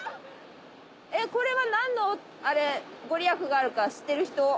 これは何の御利益があるか知ってる人？